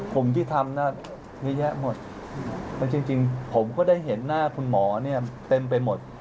ผมที่ทำเยอะแยะหมดแล้วจริงผมก็ได้เห็นหน้าคุณหมอเนี่ยเต็มไปหมด